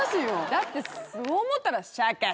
だってそう思ったら。